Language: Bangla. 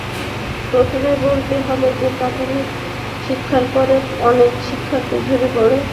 প্রথমেই বলতে হবে যে, প্রাথমিক শিক্ষার পরেই অনেক শিক্ষার্থী ঝরে পড়ে।